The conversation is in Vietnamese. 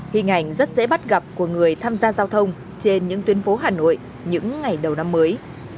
hình ảnh rất dễ bắt gặp của người tham gia giao thông trên những tuyến phố hà nội những ngày đầu năm mới